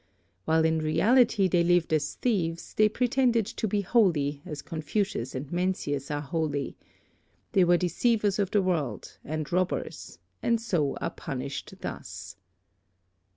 While in reality they lived as thieves, they pretended to be holy, as Confucius and Mencius are holy. They were deceivers of the world, and robbers, and so are punished thus.'